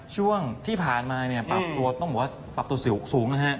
ช่วงที่ผ่านมาเนี่ยปรับตัวต้องบอกว่าปรับตัวสูงนะฮะ